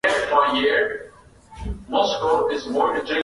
profesa lari gumbe mwenyekiti wa shirika linalohimiza demokrasia